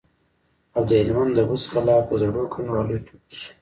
او د هلمند د بست کلا په زړو کنډوالو کې پټ شو.